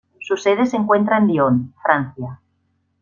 Su sede se encuentra en Lyon, Francia.